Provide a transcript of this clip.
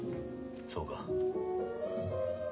そうか。